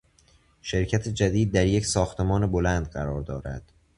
شرکت جدید در یک ساختمان بلند قرار دارد.